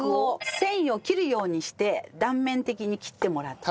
繊維を切るようにして断面的に切ってもらって。